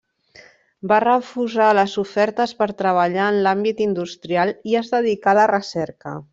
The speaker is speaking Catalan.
Va refusar les ofertes per treballar en l'àmbit industrial, i es dedicà a la recerca.